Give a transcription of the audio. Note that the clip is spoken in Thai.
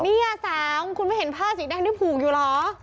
นี่๓คุณไม่เห็นผ้าสีแดงที่ผูกอยู่เหรอ